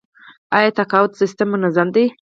آیا تقاعد سیستم منظم دی؟